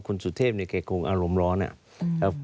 คุณสุเทพเนี่ยแกคงอารมณ์ร้อนอะ